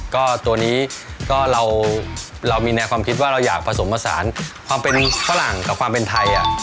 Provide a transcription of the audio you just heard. ก็ตัวนี้ก็เรามีแนวความคิดว่าเราอยากผสมผสานความเป็นฝรั่งกับความเป็นไทย